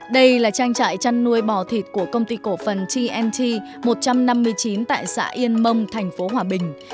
đây là trang trại chăn nuôi bò thịt của công ty cổ phần tnt một trăm năm mươi chín tại xã yên mông thành phố hòa bình